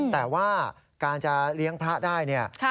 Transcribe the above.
แต่ว่าการจะเลี้ยงพระได้